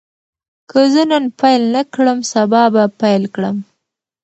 که زه نن پیل نه کړم، سبا به پیل کړم.